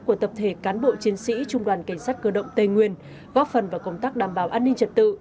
của tập thể cán bộ chiến sĩ trung đoàn cảnh sát cơ động tây nguyên góp phần vào công tác đảm bảo an ninh trật tự